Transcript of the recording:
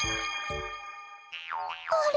あれ？